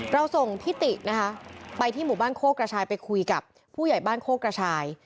เราส่งพิตินะคะไปที่หมู่บ้านโคกกระชายไปคุยกับผู้ใหญ่บ้านโคกกระชาย